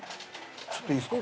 ちょっといいっすか？